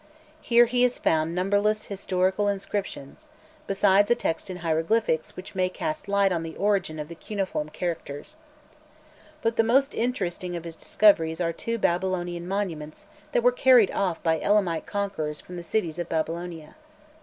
Here he has found numberless historical inscriptions, besides a text in hieroglyphics which may cast light on the origin of the cuneiform characters. But the most interesting of his discoveries are two Babylonian monuments that were carried off by Elamite conquerors from the cities of Babylonia.